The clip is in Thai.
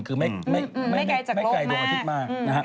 คือไม่ไกลจากโลกมาก